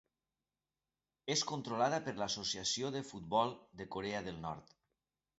És controlada per l'Associació de futbol de Corea del Nord.